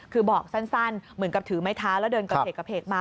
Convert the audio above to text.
คือบอกสั้นเหมือนกับถือไม้เท้าแล้วเดินกระเพกกระเพกมา